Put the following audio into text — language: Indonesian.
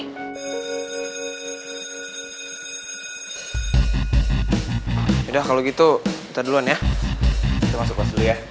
yaudah kalo gitu kita duluan ya kita masuk kelas dulu ya